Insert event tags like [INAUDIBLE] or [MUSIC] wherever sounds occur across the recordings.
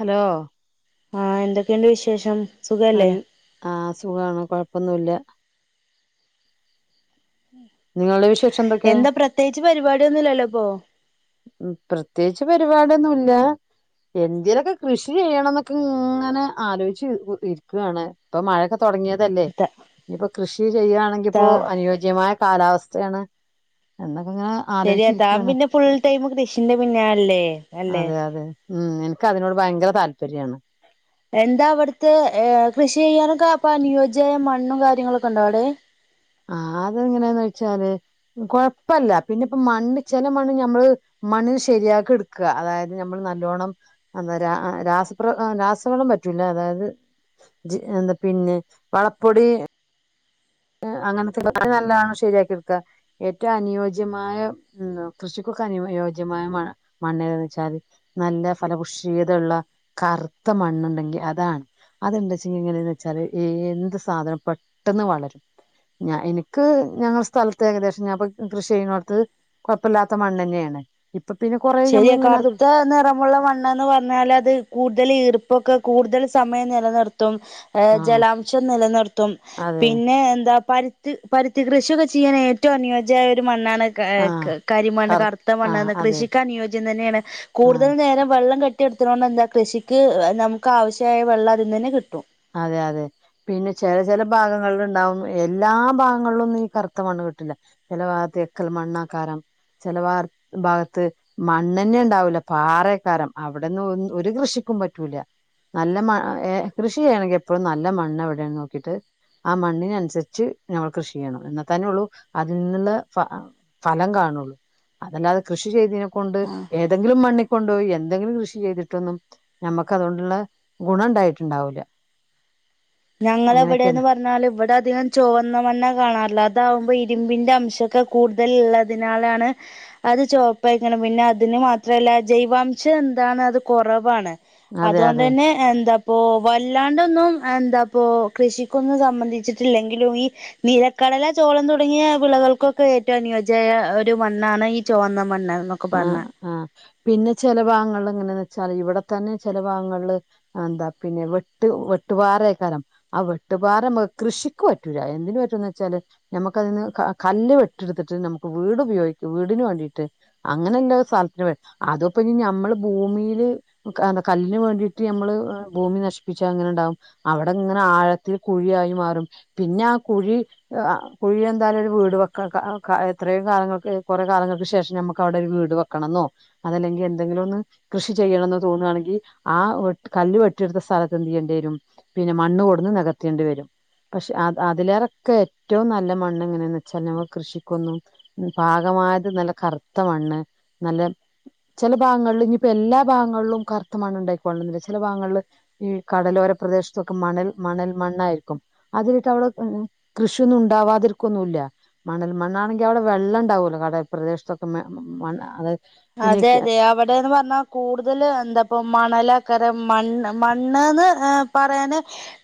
Hello ആഹ് എന്തൊക്കേണ്ട് വിശേഷം നൽ സുഖല്ലേ ആഹ് സുഖാണ് കൊഴപ്പൊന്നുല്ലാ നിങ്ങെൾടെ വിശേഷാെന്തെക്കെ ത്യേക്ച്ച് പരിപാട്യാെന്നുല്ലല്ലാെപ്പോ ഉം പ്രത്യേകിച്ച് പരിപാട്യൊന്നുല്ലാ എന്തേലൊക്കെ കൃഷി ചെയ്യണംന്നൊക്കെ ഇങ്ങെനെ ആലോയ്ച്ച് ഇര്ക്കാണ് പ്പം മഴാെക്കെ തൊട്ങ്ങ്യേതെല്ലേ ത ഞ്ഞ്പ്പൊ കൃഷി താ ചെയ്യാണെങ്കിപ്പോ അനുയോജ്യമായ കാലാവസ്ഥേണ് എന്നൊക്കെങ്ങെനെ ശരിയാ താം പിന്നെ ഫുൾടൈമ് കൃഷിന്റെ പിന്നാൽല്ലേ അതെ അതെ ഊം എൻക്കതിനോട് ഭയ്ങ്കര താൽപര്യാണ് എന്താ അവ്ട്ത്തെ ഏഹ് കൃഷി ചെയ്യാനൊക്കെ അപ്പൊ അനുയോജ്യായ മണ്ണും കാര്യങ്ങളൊക്കെണ്ടാെ അവ്ടേ ആഹ് അതെങ്ങെനേന്ന് വെച്ചാല് കൊഴപ്പല്ല പിന്നെ ഇപ്പം മണ്ണ് ചെലെ മണ്ണ് ഞമ്മെള് മണ്ണ്നെ ശെരിയാക്ക്ട്ക്കാ അതായത് ഞമ്മള് നല്ലോണം അത രാ രാസപ്ര രാസവളം പറ്റൂലാ അതായത് ജി എന്താ പിന്നെ വളപ്പൊടീ അങ്ങെൻത്തെ ൻത്തെ നല്ലോണം ശെര്യാക്കിട്ക്കാ ഏറ്റവും അനുയോജ്യമായ ന്താ കൃഷിക്കൊക്കെ അനുയോ യോജ്യമായ മ മണ്ണേതാന്നെച്ചാല് നല്ല ഫലഭുഷ്യീയതള്ള കറ്ത്ത മണ്ണ്ണ്ടെങ്കി അതാണ് അതെന്തച്ചെങ്കി എങ്ങനേന്ന് വെച്ചാല് എ എന്ത് സാധനം പെട്ടെന്ന് വളരും ഞാ ഇന്ക്ക് ഞങ്ങളെ സ്ഥൽത്ത് ഏകദേശം ഞാൻപ്പ കൃഷ്യെയ്യ്ണോട്ത്ത് കാെഴ്പ്പല്ലാത്ത മണ്ണെന്നേണ് ഇപ്പ പിന്നെ കെറെ ശരിയാ കറ്ത്താ നിറമുള്ള മണ്ണ്ന്ന് പ ർഞ്ഞാലത് കൂട്തെല് ഈർപ്പൊക്കെ കൂട്തെല് സമയം നിലനിർത്തും ഏഹ് ആഹ് ജലാംശം നിലനിർത്തും അതെ പിന്നെ എന്താ പര് ത് പര്ത്തി കൃഷിയൊക്കെ ചെയ്യാൻ ഏറ്റവും അനുയോജ്യായാെര് മണ്ണാണ് ക ആഹ് ക കരിമണ്ണ് കർ കറ്ത്ത ആഹ് മണ്ണ്ന്ന് അതെ കൃഷിക്ക് അനുയോജ്യം തന്നേണ് കൂടുതൽ ആഹ് നേരം വെള്ളം കെ ട്ടി നിർത്ത്ണാേണ്ടെന്താ കൃഷിക്ക് നമുക്ക് ആവശ്യായ വെള്ളം അതിൽന്നെന്നെ കിട്ടും അതെ അതെ പിന്നെ ചെല ചെല ഭാഗങ്ങൾല്ണ്ടാവും എല്ലാ ഭാഗങ്ങൾലൊന്നും ഈ കറ്ത്ത മണ്ണ് കിട്ട്ൺലാ ചെല വാഗത്ത് എക്കൽ മണ്ണാക്കാരം ചെല ഭാ ഭാഗത്ത് മണ്ണെന്നെണ്ടാവുല പാറേക്കാരം അവടെന്നും ഒന്ന് ഒര് കൃഷിക്കും പറ്റൂലാ നല്ല മ ഏഹ് കൃഷി ചെയ്യാണെങ്കി എപ്പഴും നല്ല മണ്ണെവ്ടേന്ന് നോക്കീട്ട് ആ മണ്ണിനൻസരിച്ച് ഞമ്മള് കൃഷി ചെയ്യണം ഇന്നാത്തന്നേള്ളൂ അതിൽ നിന്നുള്ള ഫ ഫലം കാണൊള്ളൂ അതല്ലാതെ കൃഷി ചെയ്തിനെ കൊണ്ട് ഏതെങ്കിലും മണ്ണിക്കൊണ്ടോയി എന്തെങ്കിലും കൃഷി ചെയ്തിട്ടൊന്നും ഞമ്മക്ക് അതോണ്ടുള്ള ഗുണം ഇണ്ടായിട്ടുണ്ടാവൂല ഞങ്ങളെവടേന്ന് പറഞ്ഞാല് ഇവടെ അധികം ചൊവന്ന മണ്ണ കാണാറ്ള്ളെ അതാവ്മ്പോ ഇരുമ്പിന്റെ അംശൊക്കെ കൂടുതൽ ഇള്ളതിനാലാണ് അത് ചോപ്പേയ്ക്കണം പിന്നെ അതിന് മാത്രല്ല ജൈവാംശം എന്താണ് അത് കൊറവാണ് അതെ അതെ അതോണ്ടന്നെ എന്താപ്പോ വല്ലാണ്ടൊന്നും എന്താ പ്പോ കൃഷിക്കൊന്നും സംബന്ധിച്ചിട്ടില്ലെങ്കിലും ഈ നീലക്കടല ചോളം തുടങ്ങിയ വിളകൾക്കൊക്കെ ഏറ്റോം അനുയോജ്യായ ഒരു മണ്ണാണ് ഈ ചുവന്ന മണ്ണ് ആഹ് പറഞ്ഞാ ആഹ് പിന്നെ ചെല ഭാഗങ്ങൾല് എങ്ങനേന്നെച്ചാല് ഇവിടെ തന്നെ ചെല ഭാഗങ്ങളില് എന്താ പിന്നെ വെട്ട് വെട്ട് പാറേക്കാരം ആ വെട്ടുപാറ ഇമ്മക്ക് കൃഷിക്ക് പറ്റൂല എന്തിന് പറ്റൂന്നെച്ചാല് ഞമ്മക്കതിന്ന് കല്ല് വെട്ടിട്ത്തിട്ട് ഞമ്മക്ക് വീടുപയോഗിക്കും വീടിന് വാണ്ടിട്ട് അങ്ങനെന്തേലും സൽത്തിന് വേണ്ടി അതൂപ്പോന്നി ഞമ്മള് ഭൂമിയില് കാ എന്താ കല്ലിന് വേണ്ടിട്ട് ഞമ്മള് ഭൂമി നശിപ്പിച്ചാ എങ്ങനെണ്ടാവും അവടങ്ങനെ ആഴത്തില് കുഴിയായി മാറും പിന്നെ ആ കുഴി ഏഹ് ആഹ് കുഴിന്തായാലും ഒരു വീട് വെക്ക കാ കാ എത്രയോ കാലങ്ങൾക്ക് കൊറേ കാലങ്ങൾക്ക് ശേഷം ഞമ്മ ക്കവിടൊരു വീട് വെക്കണംന്നോ അതല്ലെങ്കി എന്തെങ്കിലൊന്ന് കൃഷി ചെയ്യണന്നോ തോന്നാണെങ്കി ആ വെട്ട് കല്ല് വെട്ടിയിട്ത്ത സ്ഥലത്ത് എന്തേയ്യണ്ടിരും പിന്നെ മണ്ണ് കൊടുന്ന് നെകത്തേണ്ടി വരും പക്ഷെ അത് അതിലേറെക്കെ ഏറ്റവും നല്ല മണ്ണ് എങ്ങനേന്ന് വെച്ചാൽ ഞമ്മള് കൃഷിക്കൊന്നും പാകമായത് നല്ല കർത്ത മണ്ണ് നല്ല ചെല ഭാഗങ്ങളില് ഇനിപ്പോ എല്ലാ ഭാഗങ്ങളിലും കർത്തമണ്ണ് ഇണ്ടായികൊള്ളന്നില്ല ചെല ഭാഗങ്ങളില് ഈ കടലോര പ്രദേശത്തൊക്കെ മണൽ മണൽ മണ്ണായിരിക്കും അത് ഇന്നിട്ടവിടെ ഉം കൃഷിയൊന്നും ഉണ്ടാവാതിരിക്കൊന്നുല്ല മണൽ മണ്ണാണെങ്കി അവിടെ വെള്ളം ഇണ്ടാവൂല്ലോ കടൽ പ്രദേശത്തൊക്കെ മ മണ്ണ് അത് പിന്നെ അതെ അതെ അവിടേന്ന് പറഞ്ഞാ കൂടുതല് എന്താപ്പോ മണലാക്കാരം മണ്ണ് മണ്ണ്ന്ന് ഏഹ് പറയാന്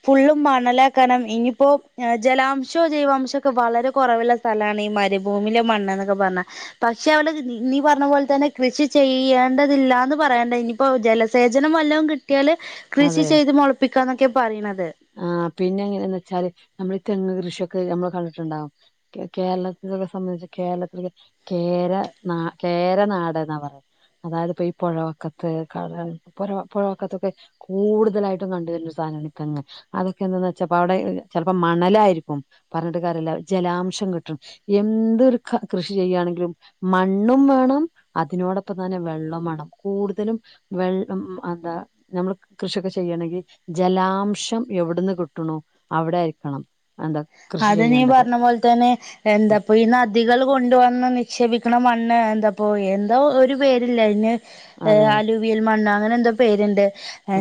ഫുള്ളും മണലേക്കാരം ഇനിപ്പോ ഏഹ് ജലാംശോ ജൈവാംശോക്കെ വളരെ കൊറവിള്ള സ്ഥലാണ് ഈ മരിഭൂമിലെ മണ്ണ്ന്നൊക്കെ പറഞ്ഞാ പക്ഷെ അവടേ നീ പറഞ്ഞ പോലെ തന്നെ കൃഷി ചെയ്യേണ്ടതില്ലാന്ന് പറയണ്ട ഇനിപ്പോ ജലസേചനം വല്ലതും കിട്ടിയാല് കൃഷി അതെ ചെയ്ത് മൊളപ്പിക്കാന്നൊക്കെ പറീണത് ആഹ് പിന്നെ എങ്ങനേന്ന് വെച്ചാല് നമ്മളീ തെങ്ങ് കൃഷിയൊക്കെ ഞമ്മള് കണ്ടിട്ടുണ്ടാവും കേ കേരളത്തിലൊക്കെ സംബന്ധിച്ച് കേരളത്തില് കേര നാ കേരനാട്ന്നാ പറയാ അതായത് ഇപ്പോ ഈ പൊഴവക്കത്ത് കാ പൊഴ പൊഴവക്കത്തൊക്കെ കൂടുതലായിട്ടും കണ്ട് വര്ന്ന ഒരു സാനാണ് ഈ തെങ്ങ് അതൊക്കെ എന്താന്ന് വെച്ച ഇപ്പൊവടെ ചെൽപ്പോ മണലായിരിക്കും പറഞ്ഞിട്ട് കാര്യല്ല ജലാംശം കിട്ടും എന്തൊരു കാ കൃഷി ചെയ്യാണെങ്കിലും മണ്ണും വേണം അതിനോടൊപ്പം തന്നെ വെള്ളോം വേണം കൂടുതലും വെള്ളം എന്താ ഞമ്മള് കൃഷിയൊക്കെ ചെയ്യണെങ്കി ജലാംശം എവിട്ന്ന് കിട്ടുണൂ അവിടെ ആയിരിക്കണം എന്താ കൃഷി അത് നീ ചെയ്യേണ്ടത് പർഞ്ഞ പോൽതന്നെ എന്താപ്പോ ഈ നദികള് കൊണ്ട് വന്ന് നിക്ഷേപിക്കണ മണ്ണ് എന്താപ്പോ എന്തോ ഒരു പേരില്ലേ അയിന് ഏഹ് അതെ ആലുവിയൽ മണ്ണോ അങ്ങനെന്തോ പേര്ണ്ട്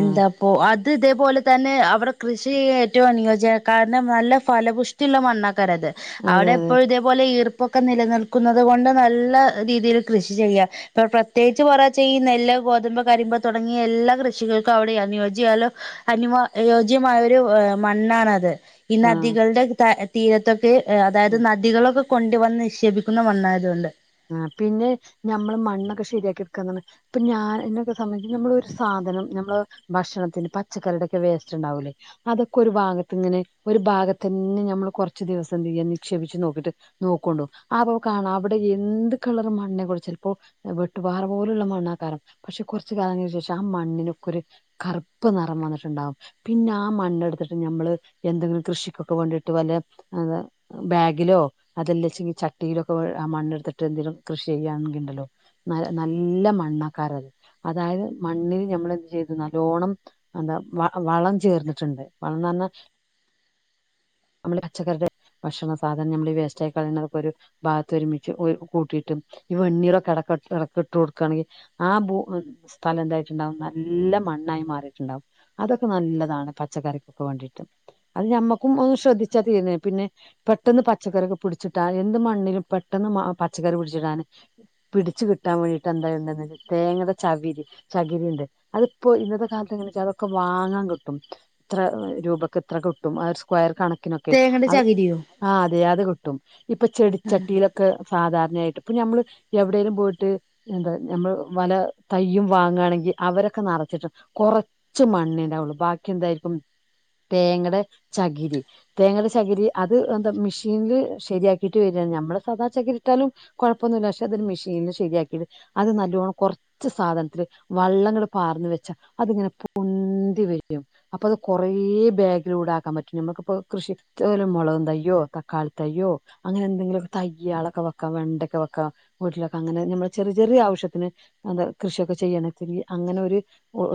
ആ പ്പോ അത് ഇതേപോലെ തന്നെ അവടെ കൃഷിചെയ്യാൻ ഏറ്റവും അനുയോജ്യ. കാരണം നല്ല ഫല പുഷ്ടിയുള്ള മണ്ണക്കാരഅത് അതെ അവടെ അതെ എപ്പോഴുംഇതേ പോലെ ഈർപ്പൊക്കെ നിലനിൽക്കുന്നത് കൊണ്ട് നല്ല രീതിയിൽ കൃഷി ചെയ്യാ ഇപ്പൊ പ്രത്യേകിച്ച് കുറച്ചെ ഈ നെല്ല്, ഗോതമ്പ്, കരിമ്പ്, തുടങ്ങിയ എല്ലാ കൃഷികൾക്കും അവിടെയാ അനുയോജ്യാലോ അനി മേയോജ്യമായ ഒരു മണ്ണാണത് ഈ ആ നദികൾടെ ത തീരത്തൊക്കെ അ ഉം അതായത് നദികളൊക്കെ കൊണ്ട്വന്ന് നിക്ഷേപിക്കുന്ന മണ്ണായതുകൊണ്ട്. ആ പിന്നെ നഞമ്മള് മണ്ണൊക്കെ ശെരിയാക്കി എടുക്കാന്നാണ് ഇപ്പൊ ഞാ ഞാൻക്കെ സമയ നമ്മളൊരു സാധനം ഞമ്മള് ഭക്ഷണത്തിന് പച്ചക്കറിയുടെക്കെ വേസ്റ്റ് ഉണ്ടാവൂലേ അതൊക്കെ ഒരു ഭാഗത്ത് ഇങ്ങനെ ഒരു ഭാഗത്തതന്നെ ഞമ്മൾ കുറച്ച ദിവസം എന്ത് ചെയ്യാനിക്ഷേപിച്ചു നോക്കിട്ട് നോക്കോണ്ടു ആപ്പൊ കാണ അവിടെ ഈ എന്ത് കളറ് മണ്ണിനെ കുറിച്ച ഇപ്പോ വെട്ടുപാറ പോലുള്ള മണ്ണാ കാരം പക്ഷെ കൊറച്ച് കാലങ്ങൾക്ക് ശോഷം ആ മണ്ണിനൊക്കെര്കറുപ്പ് നിറം വന്നിട്ട്ണ്ടാവും. പിന്നെ ആ മണ്ണെടുത്തിട്ട് ഞമ്മള് എന്തെങ്കിലും കൃഷിക്കൊക്കെ വേണ്ടിയിട്ട് വല അ ബാഗിലോ അതെല്ലാംച്ചെ ചട്ടിയിലോ ഒക്കെ അമണ്ണെടുത്തിട്ട് മറ്റഎന്തെലും കൃഷി ചെയ്യുകയാണെങ്കിൽ ഇണ്ടല്ലോ ന നല്ല മണ്ണക്കാരത്. അതായത് മണ്ണില് ഞമ്മള് എന്ത് ചെയ്തു നല്ലോണം എന്താ വ വളം ചേർന്ന്ട്ട്ണ്ട് വളം ന്നറഞ്ഞാ നമ്മള് പച്ചക്കറടെ ഭക്ഷണ സാധനം നമ്മൾ വേസ്റ്റായി കളയുന്നക്ക ഒരു ഭാഗത്ത് ഒരുമിച്ച് ഒര് കൂട്ടിയിട്ട് ഇവെണ്ണീറൊക്കെ ഇട ഇടക്ക് ഇട്ട് കൊടുക്കുകണെങ്കിൽ ആ ഭൂ സ്ഥലം എന്തായിട്ടുണ്ടാവും നല്ല മണ്ണായി മാറിയിട്ടുണ്ടാവും. അതൊക്കെ നല്ലതാണ് പച്ചക്കറിക്കൊക്കെവേണ്ടിട്ട് അത് ഞമ്മക്കും ഒ ശ്രദ്ധിച്ചാൽ തീരുന്ന പിന്നെ പെട്ടെന്ന് പച്ചക്കറൊക്കെ പിടിച്ചിട്ടാ എന്ത് മണ്ണിലും പെട്ടെന്ന് മ പച്ചക്കറി പിടിച്ചിടാന് പിടിച്ച് കിട്ടാൻ വേണ്ടിട്ട് എന്താ ഉണ്ട തേങ്ങയുടെ ചവിരി ചകിരി ഇണ്ട് അതിപ്പോ ഇന്നത്തെ കാലത്ത് എങ്ങനാ വെച്ചാ അതൊക്കെ വാങ്ങാൻ കിട്ടും. ഇത്ര രൂപയ്ക്ക് ഇത്ര കിട്ടും ആ ഒരു സ്ക്വയർ കണക്ക ക്കിനൊക്കെ തേങ്ങയുടെ അത് ചകിരിയോ ആ അതെ അത് കിട്ടും ഇപ്പൊ ചെടിച്ചട്ടിയിലൊക്കെ സാധാരണയായിട്ട് ഇപ്പൊ ഞമ്മള് എവടേലും പോയിട്ട്. എന്താ ഞമ്മൾ വല തയ്യും വാങ്ങാണെങ്കിൽ അവരൊക്കെ നറച്ചിട്ട് കൊറ ച്ച് മണ്ണേണ്ടാവുള്ളു ബാക്കി എന്തായിരിക്കും തേങ്ങയടെ ചകിരി തേങ്ങയുടെ ചകിരി അത് എന്താ മെഷീനില് ശരിയാക്കിട്ട് വരാണ് ഞമ്മൾ സാധാരണ ചകിരി ന്താലും കൊഴപ്പമൊന്നുമില്ല പക്ഷെ അതരു മെഷീന്ല് ശരിയാക്കിട്ട് അത് നല്ലവോണം കൊറ ച്ച് സാധനത്തില് വള്ളംങ്ങനെ പാർന്ന് വെച്ചാ അതിങ്ങനെ പൊന്തി വരും. അപ്പത് കൊറേ ബാഗിലൂടാക്കാൻ പറ്റും നമ്മുക്കിപ്പോ കൃഷില മുളകും തയ്യോ തക്കാളി തയ്യോ അങ്ങനെ എന്തെങ്കിലൊക്കെ തയ്യാളൊക്കെ വെക്കാം വെണ്ടൊക്കെ വക്ക വീട്ടിലൊക്കെങ്ങനെ നമ്മെ ചെറിയ ചെറിയ ആവശ്യത്തിന് അന്താ കൃഷിയൊക്കെ ചെയ്യണത്തിരി അങ്ങനെ ഒര്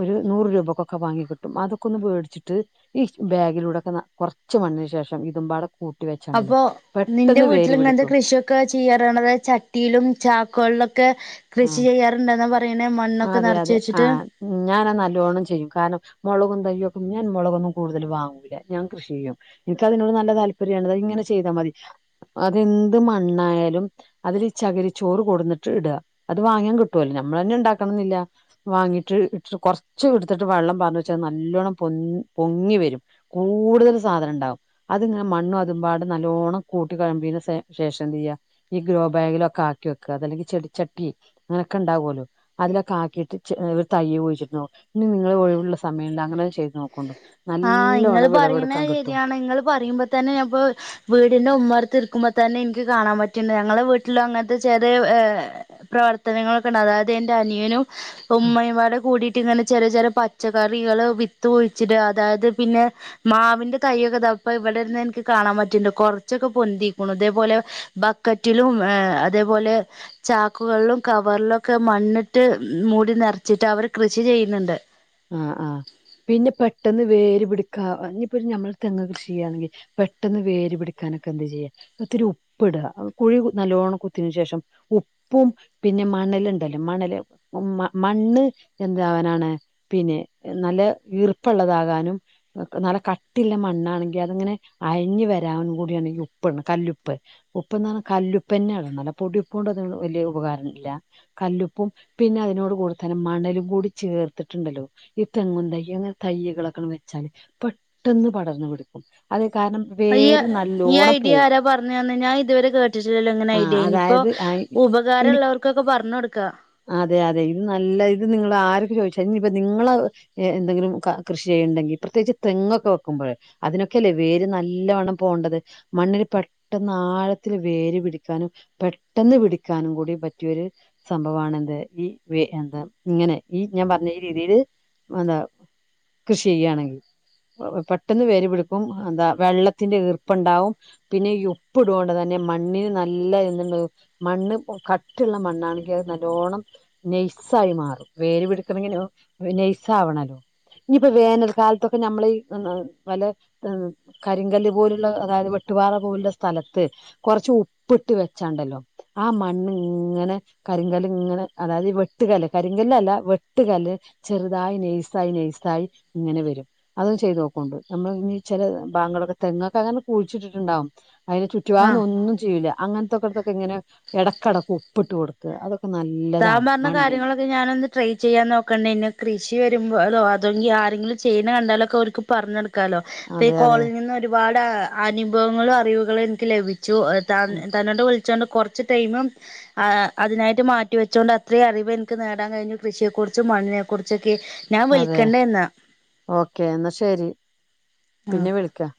ഒരു നൂറ് രൂപക്കൊക്കെ വാങ്ങികിട്ടും അതൊക്കെ ഒന്ന് വേടിച്ചിട്ട് ഈ ബാഗിലൂടെക്കൊന്ന് കൊറച്ച് മണ്ണിശേഷം ഇതുംപാടെ കൂട്ടി വെച്ചാണ്ടല്ലോ പെട്ടെന്ന് വേര്പിടിക്കും ഒക്കെ ചെയ്യറണത് ചട്ടിയിലും ചാക്കേളളിലൊക്കെ ആ കൃഷി ചെയ്യാറുണ്ടെന്ന പറയണെ മണ്ണൊക്കെ നിറച്ച് വെച്ചിട്ട് ഉ ഞാനാ നല്ലോണം ചെയ്യും കാരണം മൊളകും തയ്യൊക്കും ഞാൻ മൊളകൊന്നും കൂടുതൽ വാങ്ങൂല്ല ഞാൻ കൃഷി ചെയ്യും. എനിക്ക് അതിനോട് നല്ല താല്പര്യണ് അത് ഇങ്ങനെ ചെയ്താൽ മതി അതെന്ത് മണ്ണായാലും അതിൽ ചകിരിച്ചോറ് കൊടന്നിട്ട് ഇടാ അത് വാങ്ങാൻ കിട്ടോലൊ നമ്മളന്നെ ഇണ്ടാക്കണന്നില്ല. വാങ്ങിട്ട് ഇട്ട്ട്ട് കൊറ്ച്ച് ഇട്ത്ത്ട്ട് വള്ളം പാറ്ന്നെച്ചാ നല്ലോണം പൊന്ത്‌ പൊങ്ങി വെരും. കൂട്തൽ സാധനം ഇണ്ടാവും. അതിങ്ങനെ മണ്ണും അതുംപാടെ നല്ലോണ്ണം കൂട്ടി കയമ്പീന്റെ ശേഷം എന്തെയ്യാ ഈ ഗ്രോ ബാഗിലൊക്കെ ആക്കി വെക്ക അതല്ലെങ്കി ചെടി ചട്ടി അങ്ങനെക്കെണ്ടാവോലൊ അതിലൊക്കാക്കീട്ട് ചെ ഏഹ് ഒരു തയ്യ് കുഴ്ച്ചിട്ട് നോക്കു ഇനി നിങ്ങളെ ഒഴിവുള്ള സമയണ്ടെ അങ്ങനൊ ചെയ്ത് നോക്കോണ്ടു ആഹ് ഇങ്ങള് നല്ലോണം പറയ്ണ് വിളവെടുക്കാൻ കിട്ടും ശെരിയാണ് നിങ്ങള് പറയിമ്പതന്നെ ഞാപ്പോ വീടിന്റെ ഉമ്മർത്തിര്ക്കുമ്പതന്നെ ഇനിക്ക് കാണാൻ പറ്റ്ണ്ട് ഞങ്ങളെ വീട്ടിലങ്ങനെത്തെ ചെറിയ ഏഹ് പ്രവർത്തനങ്ങളൊക്കണ്ട് അതായത് ഇന്റെ അനിയനും ഉമ്മയുപാടെ കൂടിയ്ട്ട് ഇങ്ങനെ ചെറിയ ചെറിയ പച്ചക്കറികൾ വിത്ത്കുഴിച്ചിടാ അതായത് പിന്നെ മാവിന്റെ തയ്യൊക്കെ താപ്പ ഇവിടെര്ന്നാ ഇന്ക്ക് കാണാൻ പറ്റ്ണ്ട് കൊറ്ച്ചൊക്കെ പൊന്തിക്കുണു ഇതേപോലെ ബാ ബാക്കറ്റിലും ഏഹ് അതേപോലെ ചാക്കുകളിലും കവറ്ലൊക്കെ മണ്ണിട്ട് മൂടി നെറച്ചിട്ട് അവർ കൃഷി ചെയ്യ്ന്ന്ണ്ട് ആഹ് ആഹ് പിന്നെ പെട്ടെന്ന് വേര് പിടിക്കാ ഇഞ്ഞി പ്പോ ഞമ്മള് തെങ് കൃഷി ചെയ്യാണെങ്കി പെട്ടെന്ന് വേര് പിടിക്കാനൊക്കെ എന്താ ചെയ്യാ ഒത്തിരി ഉപ്പ്ട കുഴി കു നല്ലോണ്ണം കുത്തിന് ശേഷം ഉപ്പ് ഉപ്പും പിന്നെ മണല്ണ്ടല്ലോ മണല് ഉം മണ്ണ് എന്താവാനാണ് പിന്നെ നല്ല ഈർപ്പള്ളതാകാനും നല്ല കട്ടില്ല മണ്ണാണെങ്കി അത്ങ്ങനെ അഴ്ഞ് വരാനും കൂടിയാണ് ഈ ഉപ്പ് ഇട്ണ് കല്ലുപ്പ് ഉപ്പ്ന്ന് പറ്ഞ്ഞ കല്ലുപ്പന്നെ ഇടണല്ലൊ പൊടി ഉപ്പോണ്ടൊന്നും വലിയ ഉപകാരല്ല കല്ലുപ്പും പിന്നെ അതിനോട് കൂടെത്തന്നെ മണലും കൂടി ചേർത്ത് ചേർത്ത്ട്ട്ണ്ടല്ലോ ഈ തെങ്ങു തെയ് അങ്ങനെ തെയ്കളൊക്കണ് വെച്ചാല് പെട്ടെന്ന് പടർന്ന്പിടിക്കും അതേയ് കാര്നം ഈഹ് ഈ ഐഡിയ ആരാ പറഞ്ഞന്ന് ഞാൻ ഇതുവരെ കേട്ടിട്ടില്ലല്ലോങ്ങന ആ ഐഡിയ ഇനിയിപ്പോ അതായത് ആ ഇനി ഉപകാരള്ളവർക്കൊക്കെ പറ്ഞ് കൊട്ക്കാ അതെ അതെ ഇത് നല്ല ഇത് നിങ്ങള് ആരൊക്കെ ചോയ്ച്ചാലും ഇഞ്ഞിപ്പ നിങ്ങള ഏഹ് എന്തെങ്കിലും ക കൃഷി ചെയ്യുണ്ടെങ്കി പ്രത്യകിച്ച് തെങ്ങൊക്കെ വെക്കുമ്പഴേ അതിനൊക്കെല്ലേ വേര് നല്ലവണ്ണം പോണ്ടത് മണ്ണില് പെട്ടെന്ന് ആഴത്തില് വേര് പിടിക്കാനും പെട്ടെന്ന് പിടിക്കാനും കൂടി പറ്റിയൊര് സംഭവണ എന്ത് ഈ വേ എന്താ ഇങ്ങനെ ഈ ഞാന് പറ്ഞ്ഞ ഈ രീതിയില് എന്താ കൃഷി ചെയ്യാണെങ്കി പെട്ടെന്ന് വേര്പിടിക്കും എന്താ വെള്ളത്തിന്റെ ഈർപ്പണ്ടാവും പിന്നെ ഈ ഉപ്പ് ഇടോണ്ടെന്നെ മണ്ണിന് നല്ല എന്ത്‌ണ്ടാവും മണ്ണ് ഇപ്പോ കട്ടിള്ള മണ്ണാണെങ്കിൽ അത് നല്ലോണ്ണം നെയ്സായി മാറും വേര് പിടി പിടിക്കണെങ്കില് നെയ്സാവണല്ലോ ഇനിപ്പോ വേനൽ കാലത്തൊക്കെ നമ്മള് ഈഹ് പല ഈഹ് കരിങ്കല് പോലുള്ള അതായത് വെട്ടുപാറ പോലുള്ള സ്ഥലത്ത് കൊറച്ച് ഉപ്പ്ട്ട് വെച്ചാണ്ടല്ലോ ആഹ് മണ്ണ് ഇങ്ങനെ കരിങ്കല് ഇങ്ങനെ അതായത് വെട്ടുകല് കരിങ്കല് അല്ല വെട്ട് വെട്ട്കല് ചെറുതായി നെയ്സായി നെയ്സായി ഇങ്ങനെ വെരും അതും ചെയ്തോകോണ്ടു നമ്മള് ഇഞ്ഞി ചില ബാഗങ്ങള്ളൊക്കെ തെങ്ങൊക്കെങ്ങനെ കുഴിച്ചിട്ട്ട്ട്ണ്ടാവും അയ്ന് ആഹ് ചുറ്റുഭാഗന്നൊന്നും ചെയൂല അങ്ങനത്തെട് ക്കെട്ത്തൊക്കെ ഇങ്ങനെ എടകടക്ക് ഉപ്പിട്ട് കൊട്ക്ക അതൊക്കെ അഹ് നല്ല താൻ പറ്ഞ്ഞ കാര്യങ്ങളൊ ഇത് ഞാനൊന്ന് ട്രൈ ചെയ്യാൻ [UNINTELLIGIBLE] നോക്കണ്ടേനു കൃഷി വരുമ്പോ അതെങ്കി ആരെങ്കിലും ചെയ്യണ കണ്ടാലൊക്കെ അവർക്ക് പറഞ്ഞൊടു ക്കാലോ ഇപ്പൊ ഈ അതെ അതെ കോള്നിന്ന്‌ ഒരുപാട് അനുഭവങ്ങളും അറിവുകളും എനിക്ക് ലഭി ച്ചു തന്നോട് വിളിച്ചാണ്ട് കുറച്ച് ടൈമ് അതിനായിട്ട് മാ റ്റി വെച്ചോണ്ട് അത്രയും അറിവെനിക്ക്‌ നേടാൻ കഴിഞ്ഞു കൃഷിയെ കുറിച്ചു മണ്ണിനെ കുറിച്ചൊക്കെ ഞാൻ അതെയ് വിളിക്കണ്ട് എന്നാ ഓക്കേ എന്നാ ശരി ആഹ് പിന്നെ വിളിക്കാം